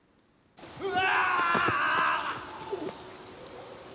うわ！